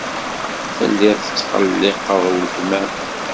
Tellid tettqelliqed weltma-m.